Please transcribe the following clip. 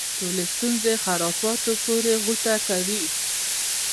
ټولې ستونزې خرافاتو پورې غوټه کوي.